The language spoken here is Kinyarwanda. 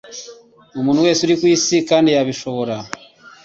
umuntu wese uri kw'isi kandi yabishobora